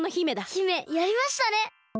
姫やりましたね！